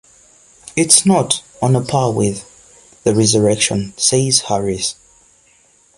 It's not "on a par with" the resurrection, says Harries.